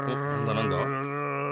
なんだ？